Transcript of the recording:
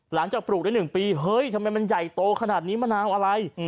ปลูกได้๑ปีเฮ้ยทำไมมันใหญ่โตขนาดนี้มะนาวอะไร